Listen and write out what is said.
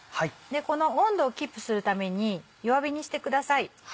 この温度をキープするために弱火にしてください。